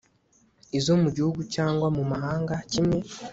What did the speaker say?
izo mu gihugu cyangwa mu mahanga kimwe